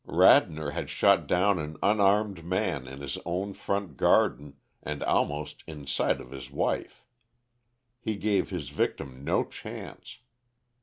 Radnor had shot down an unarmed man in his own front garden and almost in sight of his wife. He gave his victim no chance.